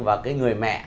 và cái người mẹ